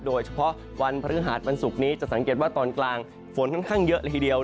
โดยเฉพาะวันพฤหาสวันศุกร์นี้จะสังเกตว่าตอนกลางฝนค่อนข้างเยอะเลยทีเดียว